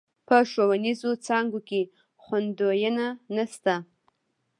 په ښوونيزو څانګو کې خونديينه نشته.